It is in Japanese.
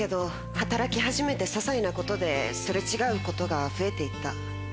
働き始めてささいなことで擦れ違うことが増えて行った。